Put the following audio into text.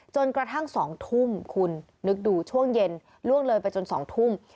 จนกระทั่ง๒ทุ่มคุณนึกดูช่วงเย็นล่วงเลยไปจน๒ทุ่ม